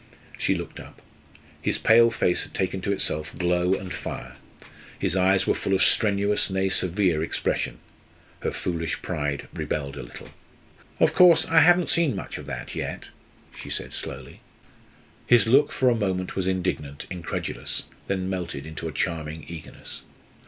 She looked up. His pale face had taken to itself glow and fire; his eyes were full of strenuous, nay, severe expression. Her foolish pride rebelled a little. "Of course, I haven't seen much of that yet," she said slowly. His look for a moment was indignant, incredulous, then melted into a charming eagerness.